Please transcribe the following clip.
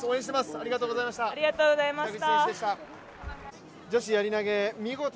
ありがとうございます。